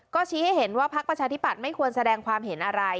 ก็ชี้ให้เห็นว่าพักประชาธิปัตย์ไม่ควรแสดงความเห็นอะไร